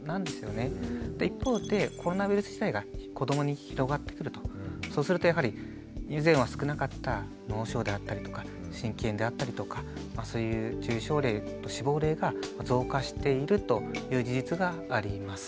一方でコロナウイルス自体が子どもに広がってくるとそうするとやはり以前は少なかった脳症であったりとか心筋炎であったりとかそういう重症例と死亡例が増加しているという事実があります。